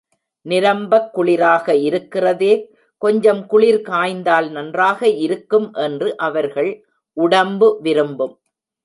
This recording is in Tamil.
நிரம்பக் குளிராக இருக்கிறதே கொஞ்சம் குளிர் காய்ந்தால் நன்றாக இருக்கும் என்று அவர்கள் உடம்பு விரும்பும்.